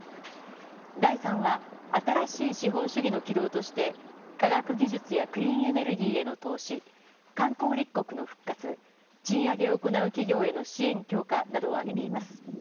第３は新しい資本主義の起動として科学技術やクリーンエネルギーへの投資観光立国の復活賃上げを行う企業への支援強化などを挙げています。